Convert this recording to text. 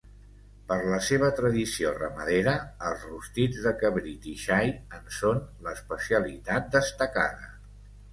Per la seva tradició ramadera, els rostits de cabrit i xai en són l'especialitat destacada.